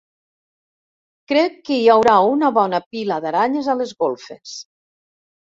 Crec que hi ha haurà una bona pila d'aranyes a les golfes.